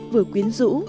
vừa quyến rũ